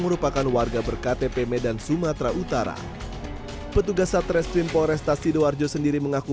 merupakan warga berktp medan sumatera utara petugas satres twin forest sidoarjo sendiri mengaku